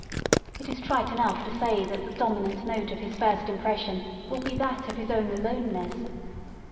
It is trite enough to say that the dominant note of his first impression will be that of his own alone ness.